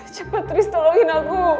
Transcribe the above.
cepat haris tolongin aku